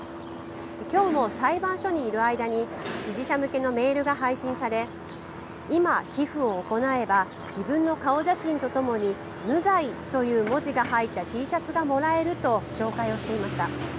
きょうも裁判所にいる間に、支持者向けのメールが配信され、今、寄付を行えば、自分の顔写真とともに無罪という文字が入ったＴシャツがもらえると紹介していました。